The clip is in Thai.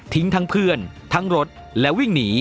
ทั้งเพื่อนทั้งรถและวิ่งหนี